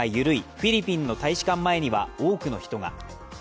フィリピンの大使館前には多くの人が。